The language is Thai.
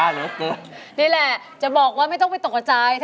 นี่แหละจะบอกว่าไม่ต้องไปตกกระจาย